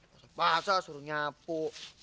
pasti pasti akan disuruh menyapu